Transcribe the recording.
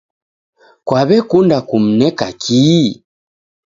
Kaw'ekunda kumneka kii?